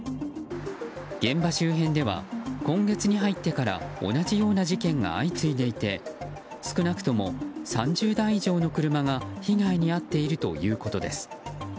現場周辺では、今月に入ってから同じような事件が相次いでいて少なくとも３０台以上の車が被害に遭っているということです。